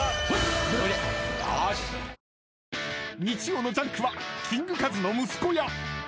［日曜の『ジャンク』はキングカズの息子や］